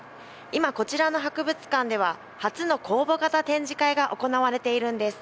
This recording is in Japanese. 今、こちらの博物館では初の公募型展示会が行われているんです。